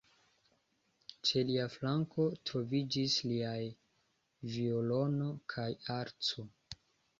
Ĉe lia flanko troviĝis liaj violono kaj arĉo.